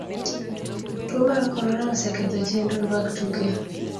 tuo mar corona oseketho chenro mag tuke